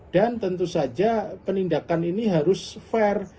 dan tentu saja penindakan ini harus fair